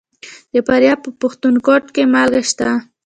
د فاریاب په پښتون کوټ کې مالګه شته.